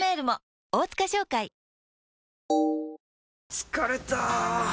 疲れた！